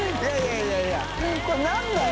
い笋いこれ何だよ？